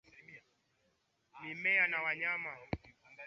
mimea na wanyama wanaogunduliwa kila siku Sasa